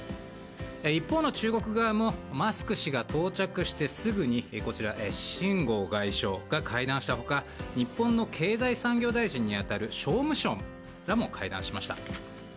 一方の中国側もマスク氏が到着してすぐにシン・ゴウ外相が会談した他日本の経済産業大臣に当たる商務相らも会談しました。